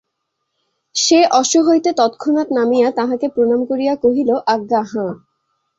সে অশ্ব হইতে তৎক্ষণাৎ নামিয়া তাঁহাকে প্রণাম করিয়া কহিল আজ্ঞা হাঁ।